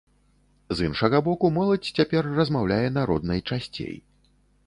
З іншага боку, моладзь цяпер размаўляе на роднай часцей.